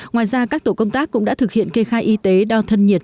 ngoài ra các tổ công tác cũng đã thực hiện kê khai y tế đo thân nhiệt